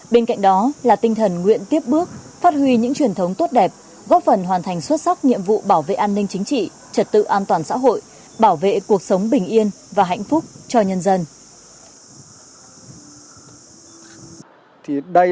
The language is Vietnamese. bên cạnh đó là tinh thần nguyện tiếp bước phát huy những truyền thống tốt đẹp góp phần hoàn thành xuất sắc nhiệm vụ bảo vệ an ninh chính trị trật tự an toàn xã hội bảo vệ cuộc sống bình yên và hạnh phúc cho nhân dân